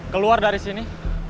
keluar dari sini